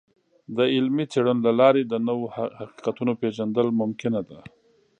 د علمي څیړنو له لارې د نوو حقیقتونو پیژندل ممکنه ده.